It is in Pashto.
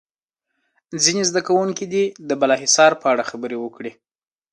ځینې زده کوونکي دې د بالا حصار په اړه خبرې وکړي.